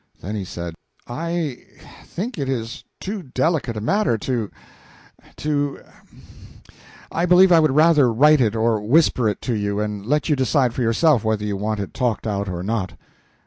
Then he said "I think it is too delicate a matter to to I believe I would rather write it or whisper it to you, and let you decide for yourself whether you want it talked out or not."